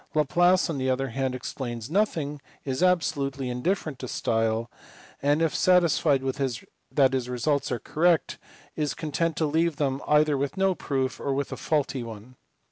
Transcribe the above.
Laplace on the other hand explains nothing, is absolutely indifferent to style, and, if satisfied that his results are correct, is content to leave them either with no proof or with a faulty one.